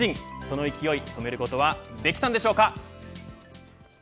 その勢いを止めることはできたのでしょうか。